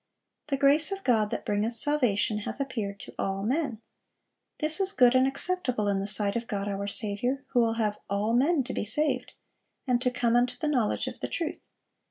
"The grace of God that bringeth salvation hath appeared to all men." "This is good and acceptable in the sight of God our Saviour; who will have all men to be saved; and to come unto the knowledge of the truth.